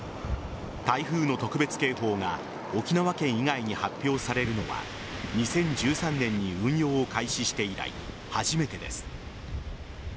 台風の特別警報が沖縄県以外に発表されるのは２０１３年に運用を開始して以来初めてです。